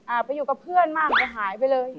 อ่าไปอยู่กับเพื่อนมากก็หายไปเลย